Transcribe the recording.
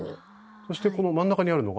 そしてこの真ん中にあるのが？